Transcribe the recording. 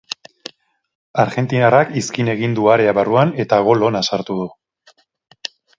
Argentinarrak izkin egin du area barruan eta gol ona sartu du.